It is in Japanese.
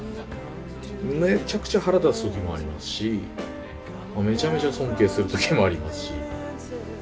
めちゃくちゃ腹立つ時もありますしもうめちゃめちゃ尊敬する時もありますし。